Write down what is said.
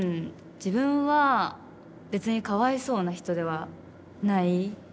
自分は別に「かわいそうな人」ではない。